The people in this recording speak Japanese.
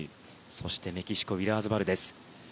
そしてメキシコのウィラーズバルデズ。